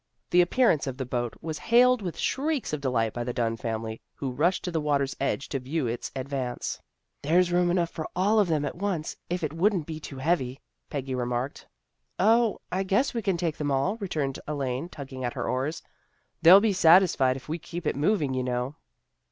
The appearance of the boat was hailed with shrieks of delight by the Dunn family, who rushed to the water's edge to view its advance. " There's room enough for all of them at once, if it wouldn't be too heavy," Peggy remarked. " O, I guess we can take them all," returned Elaine, tugging at her oars. ' They'll be satis fied if we just keep it moving, you know."